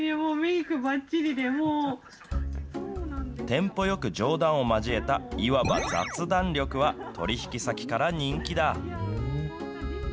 テンポよく冗談を交えた、いわば雑談力は取り引き先から人気だ。